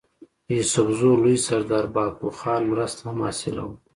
د يوسفزو لوئ سردار بهاکو خان مرسته هم حاصله وه